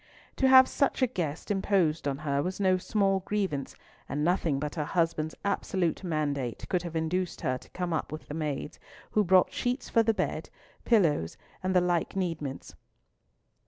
To have such a guest imposed on her was no small grievance, and nothing but her husband's absolute mandate could have induced her to come up with the maids who brought sheets for the bed, pillows, and the like needments.